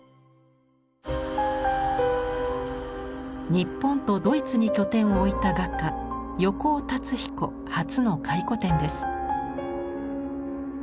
日本とドイツに拠点を置いた画家横尾龍彦初の回顧展です。